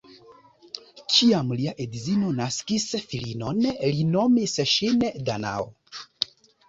Kiam lia edzino naskis filinon, li nomis ŝin Danao.